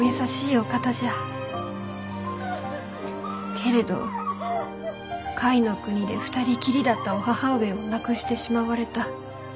けれど甲斐国で２人きりだったお母上を亡くしてしまわれた。